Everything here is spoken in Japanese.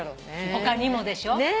他にもでしょ。